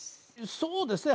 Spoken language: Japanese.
そうですね